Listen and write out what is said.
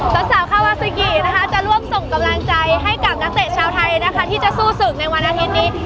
สาวคาวาซูกินะคะจะร่วมส่งกำลังใจให้กับนักเตะชาวไทยนะคะที่จะสู้ศึกในวันอาทิตย์นี้